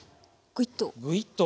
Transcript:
グイッと。